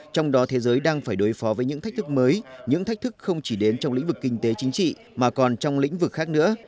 trong đó thế giới đang phải đối phó với những thách thức mới những thách thức không chỉ đến trong lĩnh vực kinh tế chính trị mà còn trong lĩnh vực khác nữa